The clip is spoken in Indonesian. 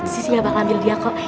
sisi gak bakal ambil dia kok